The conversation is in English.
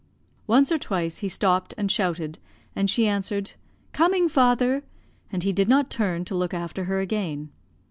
Once or twice he stopped and shouted, and she answered, 'Coming, father;' and he did not turn to look after her again.